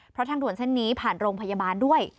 เพราะทางด่วนเส้นนี้ผ่านโรงพยาบาลด้วย